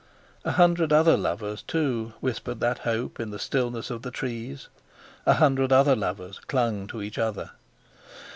A hundred other lovers too whispered that hope in the stillness of the trees, a hundred other lovers clung to each other.